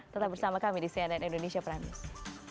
tetap bersama kami di cnn indonesia prime news